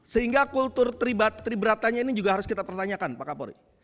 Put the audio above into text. sehingga kultur triberatannya ini juga harus kita pertanyakan pak kapolri